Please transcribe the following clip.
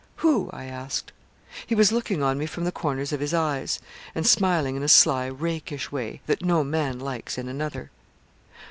'Who?' I asked. He was looking on me from the corners of his eyes, and smiling in a sly, rakish way, that no man likes in another.